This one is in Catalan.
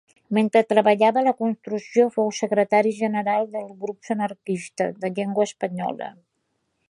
Mentre treballava a la construcció fou secretari general dels Grups Anarquistes de Llengua Espanyola.